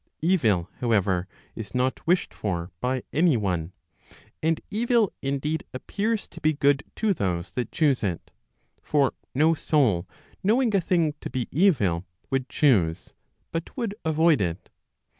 Evil, however, is not wished for by any one. And evil indeed appears to be good to those that choose it; for no soul knowing a thing to be evil would choose, but would avoid it.